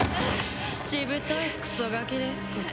しぶといクソガキですこと。